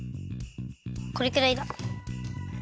これくらいだ！